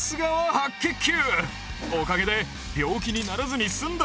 白血球！